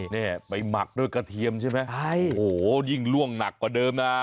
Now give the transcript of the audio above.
นี่ไปหมักด้วยกระเทียมใช่ไหมใช่โอ้โหยิ่งล่วงหนักกว่าเดิมนะ